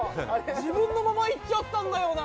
自分のままいっちゃったんだよね。